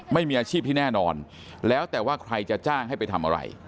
ไม่มีอาชีพที่แน่นอนแล้วแต่ว่าใครจะจ้างให้ไปทำอะไร